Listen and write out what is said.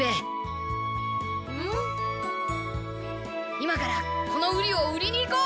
今からこのウリを売りに行こう！